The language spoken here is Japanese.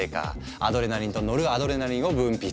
アドレナリンとノルアドレナリンを分泌。